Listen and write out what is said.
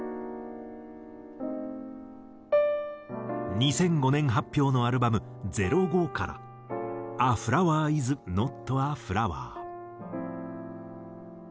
２００５年発表のアルバム『／０５』から『ＡＦｌｏｗｅｒｉｓｎｏｔａＦｌｏｗｅｒ』。